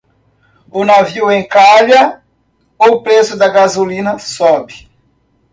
Um navio encalha, o preço da gasolina sobe